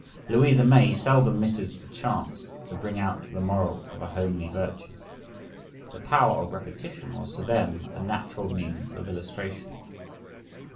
Louisa May seldom misses a chance to bring out the moral of a homely virtue. The power of repetition was to them a natural means of illustration.